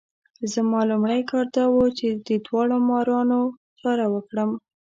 زما لومړی کار دا وو چې د داړه مارانو چاره وکړم.